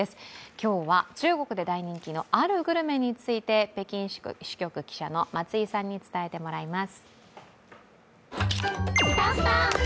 今日は中国で大人気のあるグルメについて北京支局記者の松井さんに伝えてもらいます。